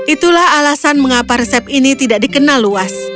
itulah alasan mengapa resep ini tidak dikenal luas